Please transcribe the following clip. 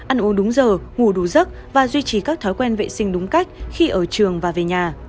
ăn uống đúng giờ ngủ đủ giấc và duy trì các thói quen vệ sinh đúng cách khi ở trường và về nhà